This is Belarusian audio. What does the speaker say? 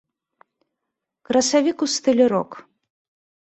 Красавік у стылі рок.